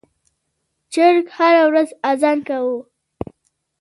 چرګ هره ورځ اذان کاوه.